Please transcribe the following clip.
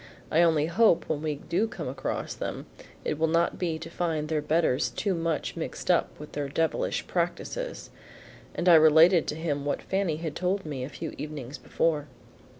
I only hope, when we do come across them, it will not be to find their betters too much mixed up with their devilish practices." And I related to him what Fanny had told me a few evenings before.